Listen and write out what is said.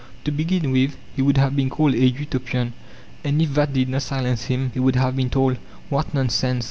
To begin with, he would have been called a Utopian, and if that did not silence him he would have been told: "What nonsense!